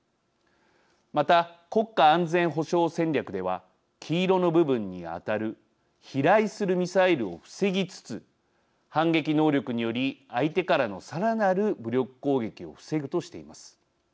また国家安全保障戦略では黄色の部分に当たる飛来するミサイルを防ぎつつ反撃能力により相手からのさらなる武力攻撃を防ぐとしています。